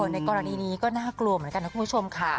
ในกรณีนี้ก็น่ากลัวเหมือนกันนะคุณผู้ชมค่ะ